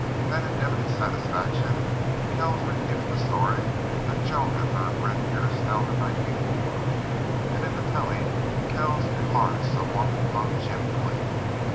Then in evident satisfaction Kells repeated the story that Joan had heard Red Pearce tell the night before; and in the telling Kells enlarged somewhat upon Jim Cleve.